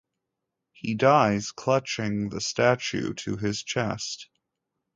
He dies, clutching the statue to his chest.